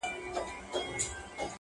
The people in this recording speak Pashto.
خدایه ته مل سې د ناروغانو-